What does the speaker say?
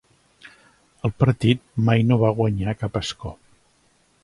El partit mai no va guanyar cap escó.